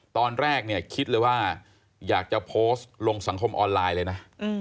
ตอนแรกเนี่ยคิดเลยว่าอยากจะโพสต์ลงสังคมออนไลน์เลยนะ